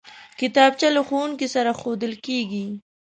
کتابچه له ښوونکي سره ښودل کېږي